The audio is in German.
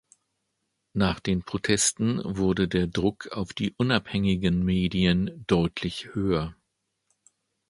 Nach den Protesten wurde der Druck auf die unabhängigen Medien deutlich höher.